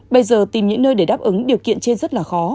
bây giờ tìm những nơi để đáp ứng điều kiện trên rất là khó